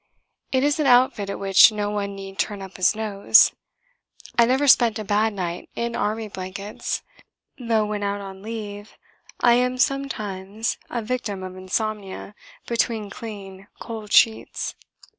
It is an outfit at which no one need turn up his nose. I never spent a bad night in army blankets, though when out on leave I am sometimes a victim of insomnia between clean cold sheets.